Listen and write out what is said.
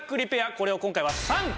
これを今回は３個。